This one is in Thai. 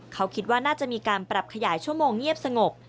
เขาคิดว่าน่าจะมีการปรับขยายชั่วโมงเงียบสงบ